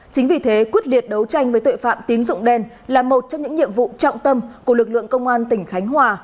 chính vì thế quyết liệt đấu tranh với tội phạm tín dụng đen là một trong những nhiệm vụ trọng tâm của lực lượng công an tỉnh khánh hòa